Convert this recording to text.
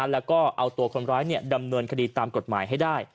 แล้วก็เอาตัวคนร้ายดำเนินคดีตามกฎหมายให้ได้